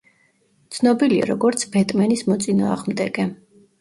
ცნობილია როგორც ბეტმენის მოწინააღმდეგე.